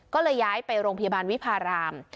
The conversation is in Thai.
ก็เลยย้ายไปโรงพยาบาลวิพาราม